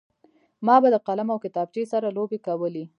ما به د قلم او کتابچې سره لوبې کولې